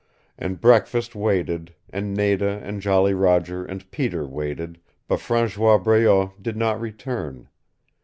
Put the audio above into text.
And breakfast waited, and Nada and Jolly Roger and Peter waited, but François Breault did not return.